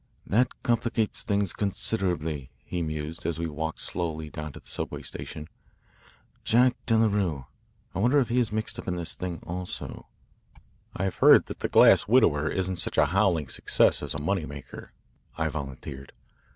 "That complicates things considerably," he mused as we walked slowly down to the subway station. "Jack Delarue I wonder if he is mixed up in this thing also." "I've heard that 'The Grass Widower' isn't such a howling success as a money maker," I volunteered.